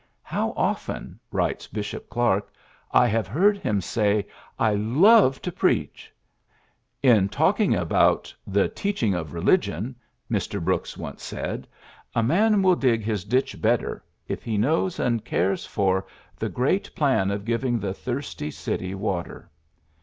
^^How often,'' writes Bishop Clark, ^^I have heard him say, ^ I love to preach '!" In talking about ^^The Teaching of Re ligion," Mr. Brooks once said :^^ A man will dig his ditch better if he knows and cares for the great plan of giving the thirsty city water.